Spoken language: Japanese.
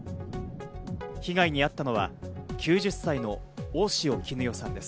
被害に遭ったのは９０歳の大塩衣与さんです。